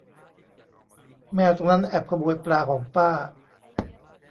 แมวตัวนั้นแอบขโมยปลาของป้า